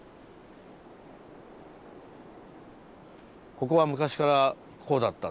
ここは昔からこうだった。